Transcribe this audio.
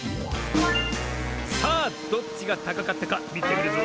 さあどっちがたかかったかみてみるぞ。